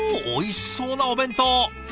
おいしそうなお弁当。